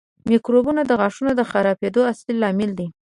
میکروبونه د غاښونو د خرابېدو اصلي لامل دي.